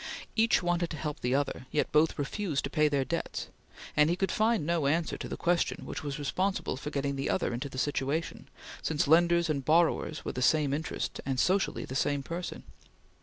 Each wanted to help the other, yet both refused to pay their debts, and he could find no answer to the question which was responsible for getting the other into the situation, since lenders and borrowers were the same interest and socially the same person.